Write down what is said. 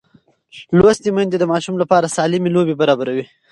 لوستې میندې د ماشوم لپاره سالمې لوبې برابروي.